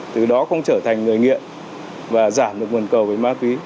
từ đó không trở thành người nghiện và giảm được nguồn cầu về ma túy